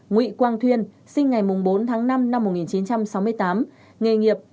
bảy nguy quang thuyên sinh ngày bốn tháng năm năm một nghìn chín trăm sáu mươi tám nghề nghiệp